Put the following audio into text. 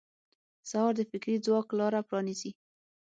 سهار د فکري ځواک لاره پرانیزي.